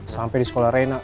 sampai di sekolah reina